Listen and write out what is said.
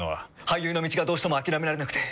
俳優の道がどうしても諦められなくて。